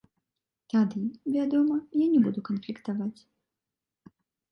Тады, вядома, я не буду канфліктаваць.